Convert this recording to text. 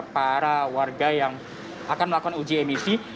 para warga yang akan melakukan uji emisi